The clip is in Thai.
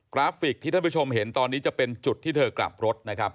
ราฟิกที่ท่านผู้ชมเห็นตอนนี้จะเป็นจุดที่เธอกลับรถนะครับ